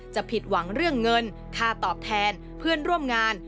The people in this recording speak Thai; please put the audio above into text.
ผิดหวังเรื่องเงินค่าตอบแทนเพื่อนร่วมงาน